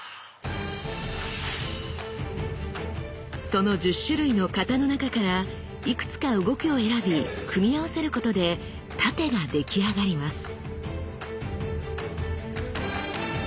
その１０種類の型の中からいくつか動きを選び組み合わせることで殺陣が出来上がります。